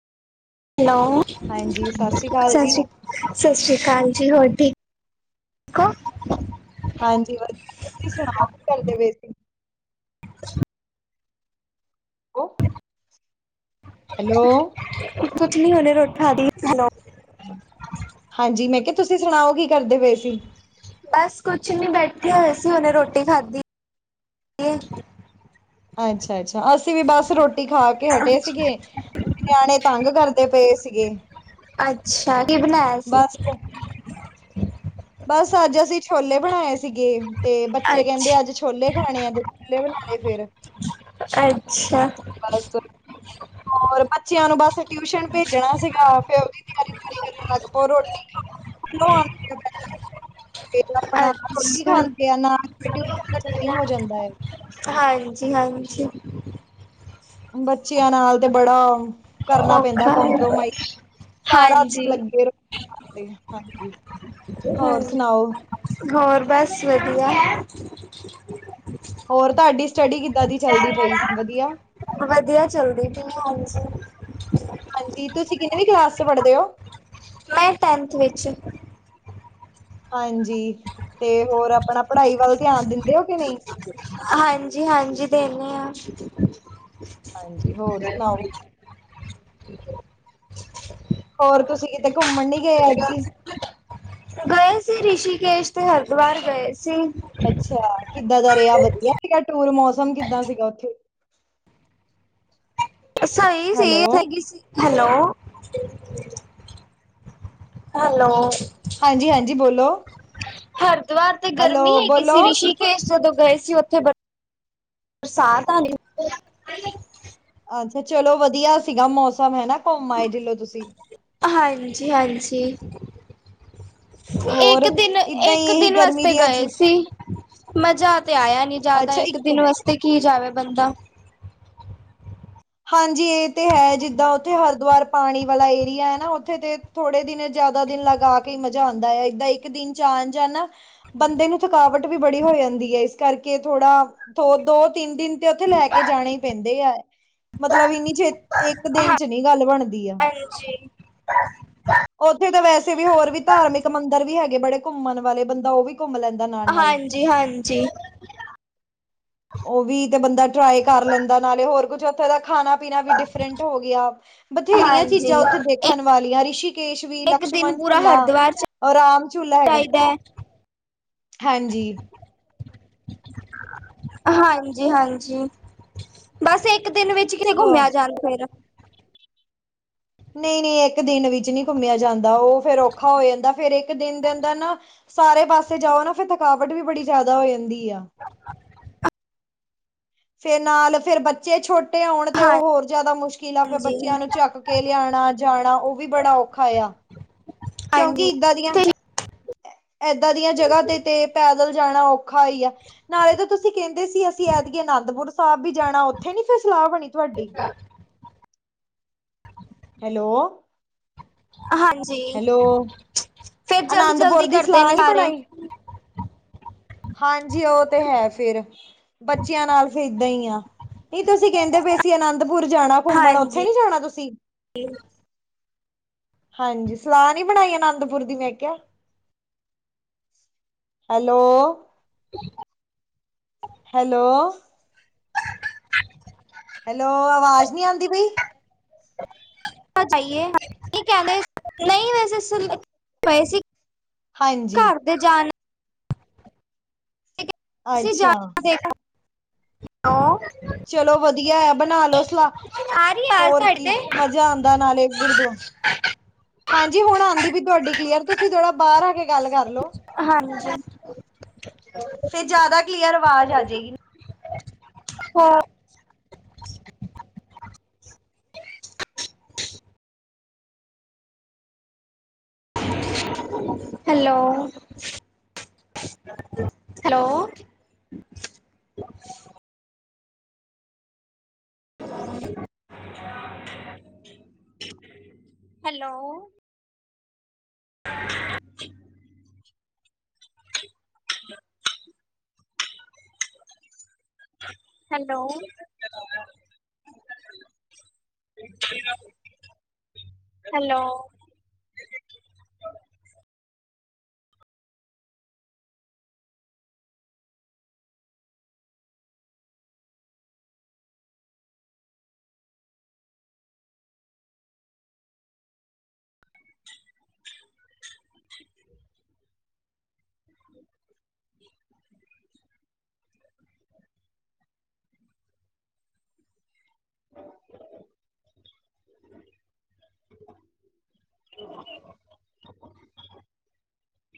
Hello ਹਾਂਜੀ, ਸਤਿ ਸ਼੍ਰੀ ਅਕਾਲ ਜੀ। ਸਤਿ ਸ੍ਰੀ ਅਕਾਲ ਜੀ, ਹੋਰ ਠੀਕ ਹੋ। ਹਾਂਜੀ ਵਧੀਆ, ਤੁਸੀਂ ਸੁਣਾਓ ਕੀ ਕਰਦੇ ਪਏ ਸੀ? [inaudible] [inaudible] ਹੈਲੋ। ਕੁਛ ਨੀ, ਹੁੰਣੇ ਰੋਟੀ ਖਾਦੀ। ਹੈਲੋ ਹਾਂਜੀ, ਮੈਂ ਕਿਹਾ ਤੁਸੀਂ ਸੁਣਾਓ ਕੀ ਕਰਦੇ ਪਏ ਸੀ? ਬਸ ਕੁਛ ਨੀ, ਬੈਠੇ ਹੋਏ ਸੀ, ਉਹਨੇ ਰੋਟੀ ਖਾਧੀ ਸੀ। ਅੱਛਾ- ਅੱਛਾ, ਅਸੀਂ ਵੀ ਬਸ ਰੋਟੀ ਖਾ ਕੇ ਹਟੇ ਸੀਗੇ ਨਿਆਣੇ ਤੰਗ ਕਰਦੇ ਪਏ ਸੀਗੇ। ਅੱਛਾ, ਕੀ ਬਣਾਇਆ ਸੀ। ਬਸ ਬਸ ਅੱਜ, ਅਸੀਂ ਛੋਲੇ ਬਣਾਏ ਸੀਗੇ ਤੇ ਬੱਚੇ ਕਹਿੰਦੇ ਅੱਛਾ ਅੱਜ ਛੋਲੇ ਖਾਣੇ ਆ, ਤੇ ਛੋਲੇ ਬਣਾ ਲੇ ਫੇਰ। ਅੱਛਾ। ਬਸ ਤੂੰ [inaudible] ਔਰ, ਬੱਚਿਆਂ ਨੂੰ ਬਸ, ਟਿਊਸ਼ਨ ਭੇਜਣਾ ਸੀਗਾ, ਫੇਰ ਉਹਦੀ ਤਿਆਰੀ ਚ [unintelligible] ਫੇਰ, ਆਪਣਾ ਰੋਟੀ ਅੱਛਾ ਖਾਂਦੇ ਆ ਨਾ, ਟਿਊਸ਼ਨ ਦਾ ਟੈਮ ਹੋ ਜਾਂਦਾ ਹੈ। ਹਾਂਜੀ- ਹਾਂਜੀ। ਬੱਚਿਆਂ ਨਾਲ ਤੇ ਬੜਾ ਕਰਨਾ ਪੈਂਦਾ, ਔਖਾ ਏ। ਕਪ੍ਰੋਮਾਈਜ਼, ਸਾਰਾ ਦਿਨ ਹਾਂਜੀ ਲੱਗੇ ਰਹੋ, ਹਾਂਜੀ--ਹਾਂਜੀ। ਹੂ, ਹੋਰ ਬਸ ਵਧੀਆ। ਹੋਰ ਤੁਹਾਡੀ ਸਟੱਡੀ ਕਿੱਦਾਂ ਦੀ ਚੱਲਦੀ ਪਈ, ਵਧੀਆ। ਵਧੀਆ ਚੱਲਦੀ ਪਈ, ਹਾਂਜੀ। ਹਨਜੀ, ਤੁਸੀਂ ਕਿੰਨੀ ਵੀਂ ਕਲਾਸ ਚ ਪੜ੍ਹਦੇ ਹੋ। ਮੈਂ ਟੈਂਨਥ ਵਿੱਚ। ਹਾਂਜੀ, ਤੇ ਹੋਰ ਆਪਣਾ ਪੜ੍ਹਾਈ ਵੱਲ ਧਿਆਨ ਦਿੰਦੇ ਹੋ ਕਿ ਨਈ। ਹਾਂਜੀ- ਹਾਂਜੀ ਦੇਨੇ ਹਾਂ। ਹਾਂਜੀ, ਹੋਰ ਸੁਣਾਓ? ਹੋਰ, ਤੁਸੀਂ ਕਿਤੇ ਘੁੰਮਣ ਨੀ ਗਏ ਐਤਕੀ। ਅਸੀ, ਰਿਸ਼ੀਕੇਸ਼ ਤੇ ਹਰਿਦੁਆਰ ਗਏ ਸੀ। ਅੱਛਾ, ਕਿੱਦਾਂ ਦਾ ਰਿਹਾ ਵਧੀਆ ਸੀਗਾ ਟੂਰ, ਮੌਸਮ ਕਿੱਦਾਂ ਸੀਗਾ ਉੱਥੇ। ਸਹੀ ਹੈਲੋ ਸੀ, ਹੈਗੀ ਸੀ। Hello- hello. ਹਾਂਜੀ- ਹਾਂਜੀ ਬੋਲੋ। ਹਰਿਦੁਆਰ ਤੇ ਹੈਲੋ ਗਰਮੀ ਹੈਗੀ ਬੋਲੋ ਸੀ। ਰਿਸ਼ੀ ਅਸੀਂ ਜਦੋਂ ਗਏ ਸੀ, ਉੱਥੇ ਬਰਸਾਤ ਆ ਗਈ। ਅੱਛਾ, ਚਲੋ ਵਧੀਆ ਸੀਗਾ ਮੌਸਮ ਹੈਨਾ, ਘੁੰਮ ਆਏ ਦਿਲੋਂ ਤੁਸੀਂ। ਹਾਂਜੀ- ਹਾਂਜੀ। ਹੋਰ ਇੱਕ ਦਿਨ, ਏਦਾਂ ਹੀ ਇੱਕ ਇਹੀ ਦਿਨ ਗਰਮੀ ਵਾਸਤੇ ਦੀਆਂ ਗਏ ਛੁੱਟ ਸੀ। ਮਜ਼ਾ ਤੇ ਆਇਆ ਨੀ ਜਿਆਦਾ, ਇੱਕ ਦਿਨ ਵਾਸਤੇ ਕੀ ਜਾਵੇ ਬੰਦਾ। ਹਾਂਜੀ, ਇਹ ਤੇ ਹੈ ਜਿੱਦਾਂ ਉੱਥੇ ਹਰਿਦੁਆਰ ਪਾਣੀ ਵਾਲਾ ਏਰੀਆ ਹੈਨਾ, ਉੱਥੇ ਤੇ ਥੋੜੇ ਦਿਨ ਜ਼ਿਆਦਾ ਦਿਨ ਲਗਾ ਕੇ ਮਜ਼ਾ ਆਦਾ ਹੈ। ਏਦਾਂ ਇੱਕ ਦਿਨ 'ਚ ਆਨ ਜਾਨਾ ਬੰਦੇ ਨੂੰ ਥਕਾਵਟ ਵੀ ਬੜੀ ਹੋ ਜਾਂਦੀ ਏ ਇਸ ਕਰਕੇ ਥੋੜਾ ਦੋ, ਦੋ-ਤਿੰਨ ਦਿਨ ਤੇ ਓਥੇ ਲੈ ਕੇ ਜਾਣੇ ਈ ਪੈਂਦੇ ਐ ਮਤਲਬ ਇੰਨੀ ਛੇਤ, ਏੱਕ ਦਿਨ 'ਚ ਨੀ ਗੱਲ ਬਣ ਹਾਂਜੀ। ਓਥੇ ਤਾਂ ਵੈਸੇ ਵੀ ਹੋਰ ਵੀ ਧਾਰਮਿਕ ਮੰਦਰ ਵੀ ਹੈਗੇ ਬੜੇ ਘੁੰਮਨ ਵਾਲੇ ਬੰਦਾ ਓ ਵੀ ਘੁੰਮ ਲੈਂ ਹਾਂਜੀ-ਹਾਂਜੀ। ਓ ਵੀ ਤੇ ਬੰਦਾ ਟ੍ਰਾਏ ਕਰ ਲੈਂਦਾ ਨਾਲੇ ਹੋਰ ਕੁਛ ਓਥੇ ਦਾ ਖਾਨਾ ਪੀਨਾ ਵੀ ਡਿਫ ਰੈਂਟ ਹੋ ਗਿਆ। ਬਥੇਰੀਆਂ ਹਾਂਜੀ ਚੀਜਾਂ ਓਥੇ ਦੇਖਨ ਵਾਲੀਆਂ ਰਿਸ਼ੀ ਕੇਸ਼ ਵੀ, ਇੱਕ ਦਿਨ ਲਕਸ਼ਮਣ ਪੂਰਾ ਝੂਲਾ ਹਰਿਦੁਆਰ ਔਰ ਰਾਮ ਝੂਲਾ ਹੈਗਾ। ਚਾਹੀਦਾ ਹੈ ਹਾਂਜੀ। ਹਾਂਜੀ-ਹਾਂਜੀ, ਬਸ ਇੱਕ ਦਿਨ ਵਿੱ ਚ ਕਿਤੇ ਹੋਰ ਘੁੰਮਿਆ ਜਾਨ ਫੇਰ। ਨਈ-ਨਈ ਏੱਕ ਦਿਨ ਵਿੱਚ ਨੀ ਘੁੰਮਿਆ ਜਾਂਦਾ ਓ ਫੇਰ ਔਖਾ ਹੋ ਜਾਂਦੈ। ਫੇਰ ਇੱਕ ਦਿਨ ਦੇਨੰ ਦਾ ਨਾ ਸਾਰੇ ਪਾਸੇ ਜਾਓ ਨਾ ਫੇਰ ਥਕਾਵਟ ਵੀ ਬੜੀ ਜਾਦਾ ਹੋ ਜਾਂਦੀ ਆ। [unintelligible] ਫੇਰ ਨਾਲ ਫੇਰ ਬੱਚੇ ਛੋ ਟੇ ਹੋਣ ਤੇ ਓ ਹੋਰ ਜਾਦਾ ਮੁਸ਼ਕਿਲ ਐ ਫੇਰ ਹਾਂਜੀ ਬੱਚਿਆਂ ਨੂੰ ਚੱਕ ਕੇ ਲਿਔਣਾ ਜਾਣਾ ਓ ਵੀ ਬੜਾ ਔਖਾ ਏਆ। [unintelligible] ਕਿਓਂਕਿ ਹਾਂਜੀ ਇੱਦਾਂ ਦੀਆਂ, ਤੇ ਐ ਐਦਾਂ ਦੀਆਂ ਜਗ੍ਹਾ ਤੇ, ਤੇ ਪੈਦਲ ਜਾਣਾ ਔ ਖਾ ਈ ਐ। ਨਾਲੇ ਤਾਂ ਤੁਸੀ ਕੇਂਦੇ ਸੀ ਅਸੀ ਐਦ ਅਨੰਦਪੁਰ ਸਾਬ ਬੀ ਜਾਣਾ ਓਥੇ ਨੀ ਫੇਰ ਸਲਾ ਬਣੀ ਤੁਆਡੀ। ਹੈਲੋ। ਹਾਂਜੀ, ਹੈਲੋ ਫੇਰ ਅਨੰਦਪੁਰ ਜਲਦੀ-ਜਲਦੀ ਦੀ ਕਰਦੇ ਸਲਾਹ ਨੇ ਨੀ ਸਾਰੇ। ਬਣਾਈ ਹਾਂਜੀ ਓ ਤੇ ਹੈ ਫਿਰ, ਬੱਚਿਆਂ ਨਾਲ ਫਿ ਇਦਾਂ ਈ ਆ। ਨੀ ਤੁਸੀ ਕੇਂਦੇ ਪੇ ਸੀ ਅਨੰਦਪੁਰ ਜਾਣਾ ਘੁੰਮਣ, ਓਥੇ ਹਾਂਜੀ ਨੀ ਜਾਣਾ ਤੁਸੀ? ਹਾਂਜੀ, ਸਲਾ ਨੀ ਬਣਾਈ ਅਨੰਦਪੁਰ ਦੀ ਮੈਂ ਕਿਆ। ਹੈਲੋ? ਹੈਲੋ? ਹੈਲੋ, ਆਵਾਜ਼ ਨੀ ਆਂਦੀ ਪਈ? [unintelligible] [unintelligible] ਚਾਈਏ [unintelligible] ਕੈਂਦੇ ਨਈ ਵੈਸੇ ਸੁਨਦੇ ਪਏ ਸੀ। ਹਾਂਜੀ। ਘਰ ਦੇ ਜਾਨ ਸੀ ਅੱਛਾ ਜਾਨ [unintelligible] ਹੈਲੋ। ਚਲੋ ਵਧੀਐ ਬਨਾ ਲੋ ਸਲਾ। ਆ ਰਹੀ ਆਵਾਜ਼ ਹੋਰ ਤੁਹਾਡੇ ਕੀ ਮਜਾ ਆਂਦਾ ਨਾਲੇ ਗੁਰਦੁਆ ਹਾਂਜੀ ਹੁਣ ਆਂਦੀ ਪੀ ਤੁਆਡੀ ਕਲੀਅਰ ਤੁਸੀ ਜੜਾ ਬਾਰ ਆ ਕੇ ਗੱਲ ਕਰ ਲੋ। ਹਾਂਜੀ। ਫੇ ਜਿਆਦਾ ਕਲੀਅਰ ਆਵਾਜ ਆਜੇਗੀ। ਹਾਂ। Hello. Hello? Hello? [unintelligible] [unintelligible] Hello? Hello [unintelligible]